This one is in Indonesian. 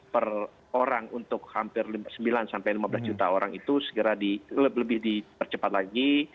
per orang untuk hampir sembilan lima belas juta orang itu segera lebih dipercepat lagi